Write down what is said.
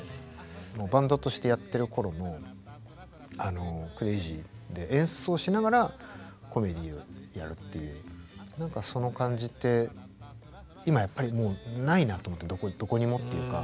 バンドとしてやってる頃のクレイジーで演奏しながらコメディーをやるっていう何かその感じって今はやっぱりもうないなと思ってどこにもっていうか。